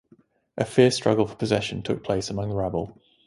A fierce struggle for possession took place among the rabble.